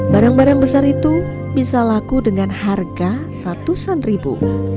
barang barang besar itu bisa laku dengan harga ratusan ribu